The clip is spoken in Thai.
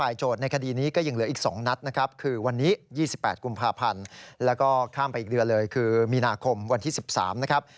อีกเดือนเลยคือมีนาคมวันที่๑๓นะครับ